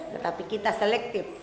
tetapi kita selektif